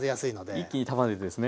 一気に束ねてですね。